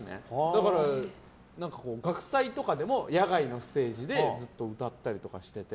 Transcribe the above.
だから、学祭とかでも野外のステージでずっと歌ったりとかしてて。